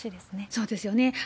そうですよね。